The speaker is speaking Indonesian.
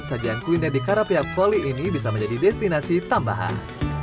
sajian kuliner di karapia volley ini bisa menjadi destinasi tambahan